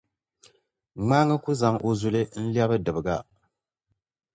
Ŋmaaŋa ku zaŋ o zuli n-lɛbi dibiga.